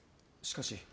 しかし。